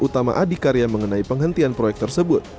utama adhikar yang mengenai penghentian proyek tersebut